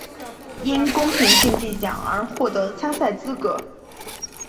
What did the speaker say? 因公平竞技奖而获得参赛资格。